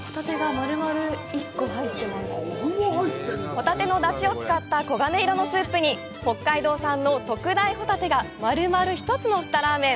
ホタテの出汁を使った黄金色のスープに北海道産の特大ホタテが丸々一つ載ったラーメン。